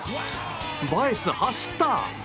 バエス、走った！